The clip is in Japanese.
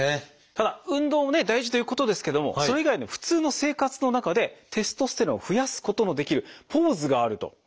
ただ運動もね大事ということですけどもそれ以外の普通の生活の中でテストステロンを増やすことのできるポーズがあると。